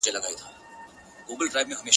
• په ځیګر خون په خوله خندان د انار رنګ راوړی,